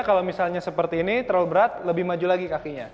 kalau misalnya seperti ini terlalu berat lebih maju lagi kakinya